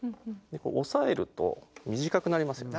押さえると短くなりますよね。